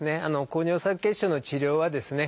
高尿酸血症の治療はですね